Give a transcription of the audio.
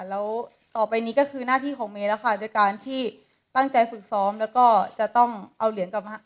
แล้วต่อไปนี้ก็คือหน้าที่ของเมย์แล้วค่ะโดยการที่ตั้งใจฝึกซ้อมแล้วก็จะต้องเอาเหรียญกลับมา